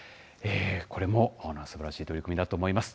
これもすばらしい取り組みだと思います。